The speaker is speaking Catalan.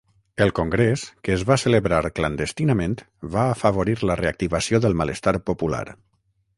El congrés, que es va celebrar clandestinament, va afavorir la reactivació del malestar popular.